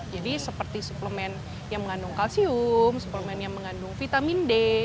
jadi seperti suplemen yang mengandung kalsium suplemen yang mengandung vitamin d